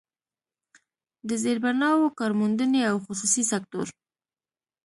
د زيربناوو، کارموندنې او خصوصي سکتور